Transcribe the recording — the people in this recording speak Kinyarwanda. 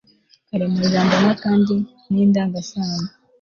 karemajambo nta kandi ni indangasano